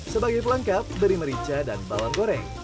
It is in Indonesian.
sebagai pelengkap beri merica dan bawang goreng